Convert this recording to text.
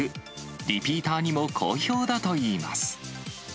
リピーターにも好評だといいます。